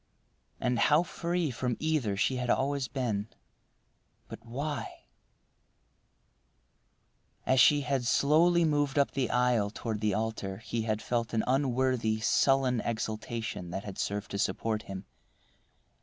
And how free from either she had always been—But why— As she had slowly moved up the aisle toward the altar he had felt an unworthy, sullen exultation that had served to support him.